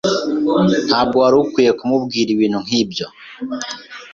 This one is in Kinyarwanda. Ntabwo wari ukwiye kumubwira ibintu nkibyo.